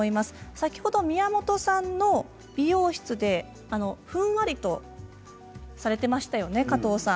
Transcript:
先ほど宮本さんの美容室でふんわりとされてましたよね、加藤さん。